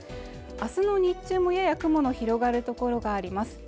明日の日中もやや雲の広がる所があります